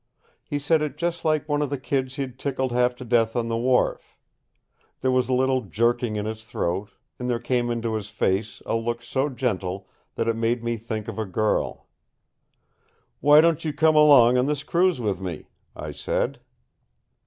He said it just like one of the kids he'd tickled half to death on the wharf. There was a little jerking in his throat, and there came into his face a look so gentle that it made me think of a girl. "Why don't you come along on this cruise with me?" I said.